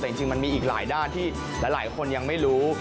แต่จริงมันมีอีกหลายด้านที่หลายคนยังไม่รู้